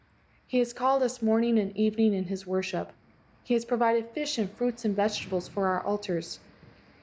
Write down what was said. He has called us morning and evening in his worship. He has provided fish and fruits and vegetables for our altars.